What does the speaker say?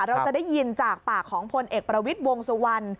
เราจะได้ยินจากปากของพลเอกประวิทย์วงสุวรรณ